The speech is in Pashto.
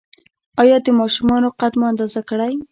ایا د ماشومانو قد مو اندازه کړی؟